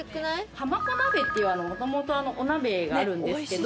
浜子鍋っていうもともとお鍋があるんですけど。